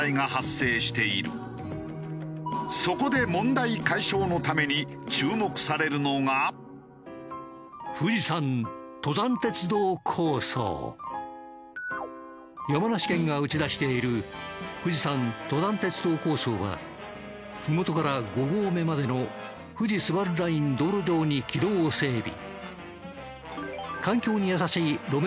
しかし観光客の集中によりそこで山梨県が打ち出している富士山登山鉄道構想はふもとから５合目までの富士スバルライン道路上に軌道を整備。